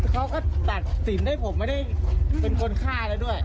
เขาก็ตัดสินได้ผมไม่ได้เป็นคนฆ่าแล้วด้วย